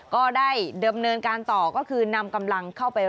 ก็ได้เดิมเนินการต่อก็คือนำกำลังเข้าไป